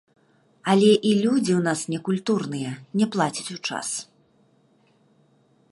Але і людзі ў нас некультурныя, не плацяць у час.